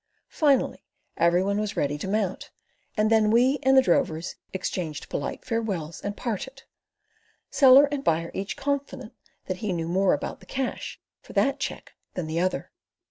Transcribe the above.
Finally every one was ready to mount, and then we and the drovers exchanged polite farewells and parted, seller and buyer each confident that he knew more about the cash for that cheque than the other.